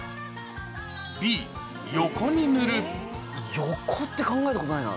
横って考えたことないな。